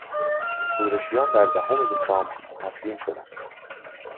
شورشیان در دهم دسامبر تسلیم شدند.